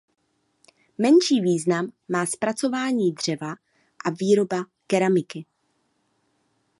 Menší význam má zpracování dřeva a výroba keramiky.